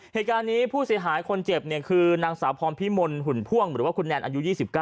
เหตุการณ์นี้ผู้เสียหายคนเจ็บคือนางสาวพรพิมลหุ่นพ่วงหรือว่าคุณแนนอายุ๒๙